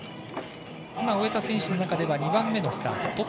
今、終えた選手の中では２番目のスタート。